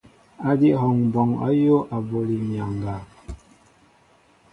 Adi hɔŋɓɔɔŋ ayōō aɓoli myaŋga.